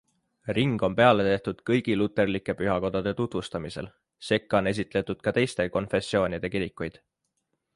Ring on peale tehtud kõigi luterlike pühakodade tutvustamisel, sekka on esitletud ka teiste konfessioonide kirikuid.